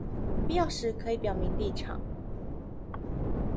必要時可以表明立場